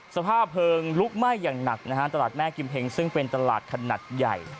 สภาพเพลิงลุกไหม้อย่างหนักนะฮะตลาดแม่กิมเฮงซึ่งเป็นตลาดขนาดใหญ่